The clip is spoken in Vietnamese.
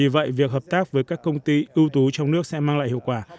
với các công ty ưu tú trong nước sẽ mang lại hiệu quả